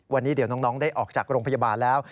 วันนี้เดี๋ยวน้องได้ออกจากโรงพยาบาลแล้ว